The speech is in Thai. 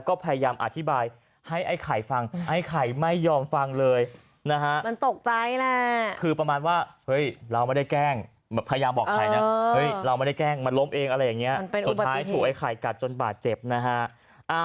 สุดท้ายถูกไอ้ไข่กัดจนบาดเจ็บนะฮะ